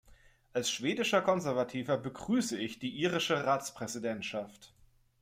Als schwedischer Konservativer begrüße ich die irische Ratspräsidentschaft.